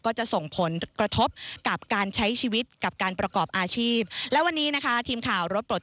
ก็จะส่งผลกระทบกับการใช้ชีวิตกับการประกอบอาชีพ